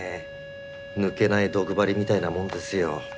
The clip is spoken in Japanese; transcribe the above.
抜けない毒針みたいなもんですよ。